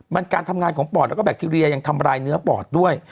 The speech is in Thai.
มันการทำงานของปอดแล้วก็แคคทีเรียยังทำลายเนื้อปอดด้วย